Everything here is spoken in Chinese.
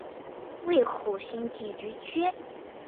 为侯姓集居区。